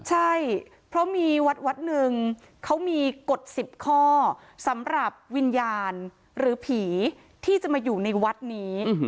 ใช่เพราะมีวัดวัดหนึ่งเขามีกฎ๑๐ข้อสำหรับวิญญาณหรือผีที่จะมาอยู่ในวัดนี้